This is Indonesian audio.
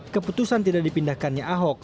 keputusan tidak dipindahkannya ahok